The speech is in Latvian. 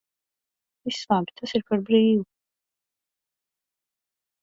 Viss labi, tas ir par brīvu.